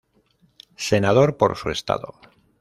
Senador por su estado.